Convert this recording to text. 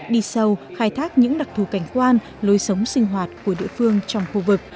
đi sâu khai thác những đặc thù cảnh quan lối sống sinh hoạt của địa phương trong khu vực